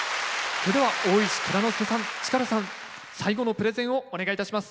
それでは大石内蔵助さん主税さん最後のプレゼンをお願いいたします。